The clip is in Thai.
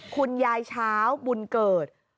คุณยายเช้าบุญเกิด